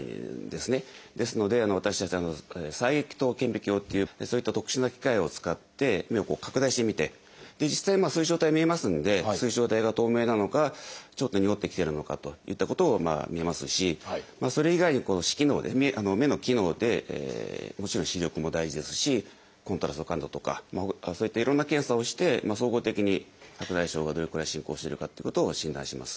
ですので私たち細隙灯顕微鏡っていってそういった特殊な機械を使って目を拡大して見て実際水晶体見えますので水晶体が透明なのかちょっとにごってきているのかといったことを診ますしそれ以外に視機能で目の機能でもちろん視力も大事ですしコントラストの感度とかそういったいろんな検査をして総合的に白内障がどれくらい進行しているかってことを診断します。